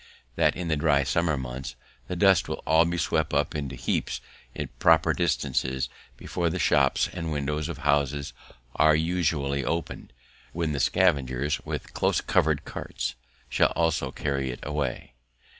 "That in the dry summer months the dust be all swept up into heaps at proper distances, before the shops and windows of houses are usually opened, when the scavengers, with close covered carts, shall also carry it all away.